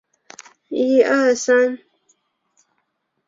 东汉初年复名衙县。